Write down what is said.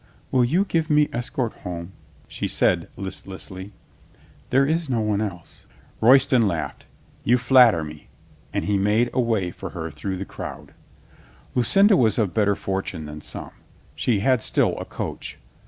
"Will you give me escort home?" she said list lessly. "There is no one else." 199 200 COLONEL GREATHEART Royston laughed. "You flatter me." And he made a way for her through the crowd. Lucinda was of better fortune than some. She had still a coach.